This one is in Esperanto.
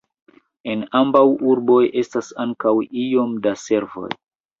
En ambaŭ urboj estas ankaŭ iom da servoj.